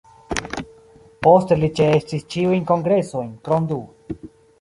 Poste li ĉeestis ĉiujn kongresojn, krom du.